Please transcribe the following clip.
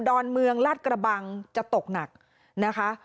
อนเมืองลาดกระบังจะตกหนักนะคะ